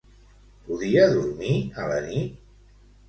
Podia dormir a la nit?